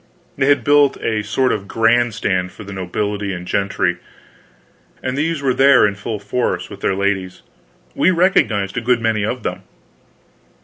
They had built a sort of grand stand for the nobility and gentry, and these were there in full force, with their ladies. We recognized a good many of them.